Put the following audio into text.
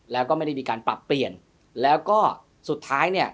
แล้วก็ไม่ได้มีการปรับเปลี่ยนแล้วก็สุดท้ายเนี่ย